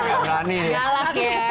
oh nggak ngelak ya